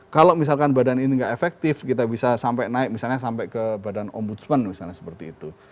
kalau misalkan badan ini nggak efektif kita bisa sampai naik misalnya sampai ke badan ombudsman misalnya seperti itu